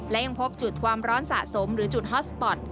และยังพบจุดความร้อนสะสมหรือจุดฮอตสปอร์ต